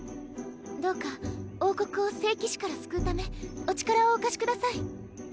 どうか王国を聖騎士から救うためお力をお貸しください。